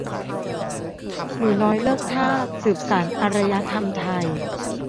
"หนูน้อยเลิกทาส สืบสานอารยธรรมไทย"